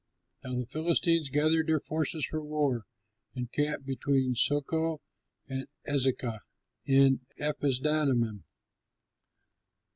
Now the Philistines gathered their forces for war, and camped between Socoh and Ezekah in Ephesdammim.